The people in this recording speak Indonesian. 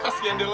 kasihan dia lo